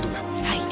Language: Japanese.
はい。